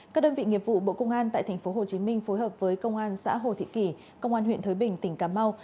các đơn vị nghiệp vụ bộ công an tại tp hcm phối hợp với công an xã hồ thị kỷ công an huyện thới bình tỉnh cà mau